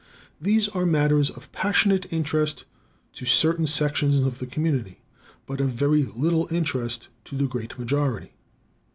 These are matters of passionate interest to certain sections of the community, but of very little interest to the great majority.